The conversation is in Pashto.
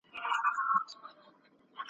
د خواجه حافظ شېرازي دېوان